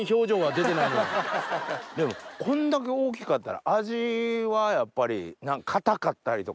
でもこんだけ大きかったら味はやっぱり硬かったりとか。